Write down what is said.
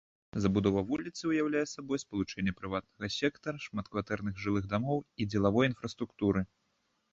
Забудова вуліцы ўяўляе сабой спалучэнне прыватнага сектара, шматкватэрных жылых дамоў і дзелавой інфраструктуры.